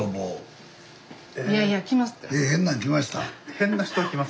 変な人は来ます。